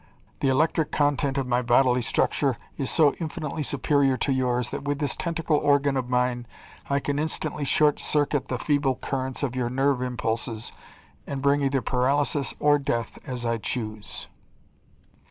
The electric content of my bodily structure is so infinitely superior to yours that with this tentacle organ of mine I can instantly short circuit the feeble currents of your nerve impulses and bring either paralysis or death as I choose.